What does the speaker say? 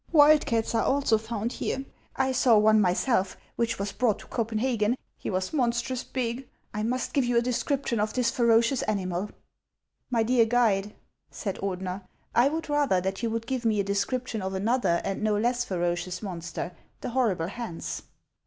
Wildcats are also found here ; I saw one myself, which was brought to Copenhagen ; he was mon strous big. I must give you a description of this ferocious animal." " My dear guide," said Ordener, " I would rather that you would give me a description of another and no less ferocious monster, the horrible Hans."